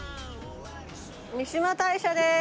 三嶋大社です。